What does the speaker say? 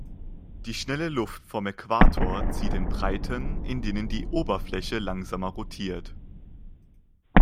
Die schnelle Luft vom Äquator zieht in Breiten, in denen die Oberfläche langsamer rotiert.